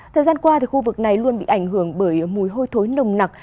thời gian qua khu vực này luôn bị ảnh hưởng bởi mùi hôi thối nồng nặc